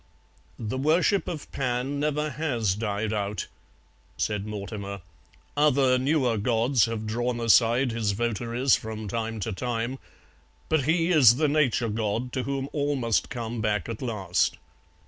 "The worship of Pan never has died out," said Mortimer. "Other newer gods have drawn aside his votaries from time to time, but he is the Nature God to whom all must come back at last.